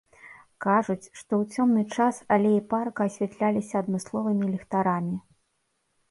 Кажуць, што ў цёмны час алеі парка асвятляліся адмысловымі ліхтарамі.